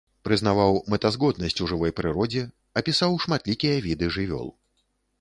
Прызнаваў мэтазгоднасць у жывой прыродзе, апісаў шматлікія віды жывёл.